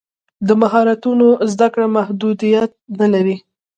د مهارتونو زده کړه محدودیت نه لري.